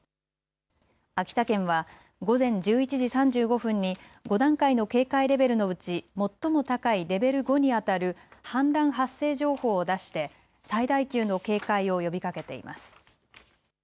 秋田県は午前１１時３５分に５段階の警戒レベルのうち最も高いレベル５にあたる氾濫発生情報を出して最大級の警戒を呼びかけています。